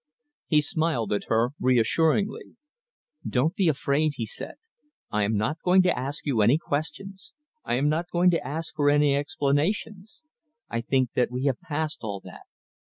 He smiled at her reassuringly. "Don't be afraid," he said. "I am not going to ask you any questions. I am not going to ask for any explanations. I think that we have passed all that.